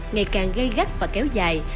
ngày càng gây gắt và kéo dài